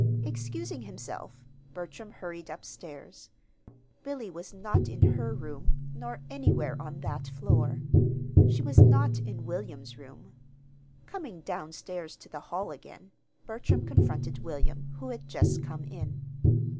Excusing himself, Bertram hurried up stairs. Billy was not in her room, nor anywhere on that floor. She was not in William's room. Coming down stairs to the hall again, Bertram confronted William, who had just come in.